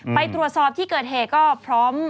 ไปตรวจสอบที่เกิดเหตุก็พร้อม